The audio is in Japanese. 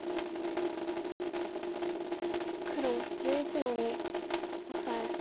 黒１１の二オサエ。